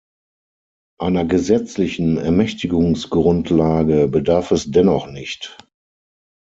Einer gesetzlichen Ermächtigungsgrundlage bedarf es dennoch nicht.